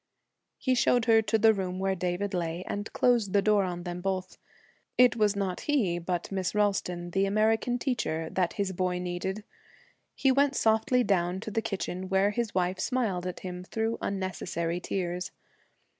He showed her to the room where David lay, and closed the door on them both. It was not he, but Miss Ralston, the American teacher, that his boy needed. He went softly down to the kitchen, where his wife smiled at him through unnecessary tears.